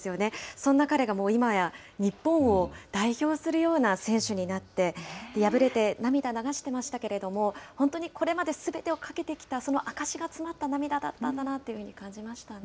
そんな彼がもう今や、日本を代表するような選手になって、敗れて涙流してましたけども、本当にこれまですべてをかけてきた、その証しが詰まった涙だったんだなというふうに感じましたね。